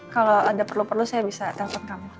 kalau ada perlu perlu saya bisa telepon kamu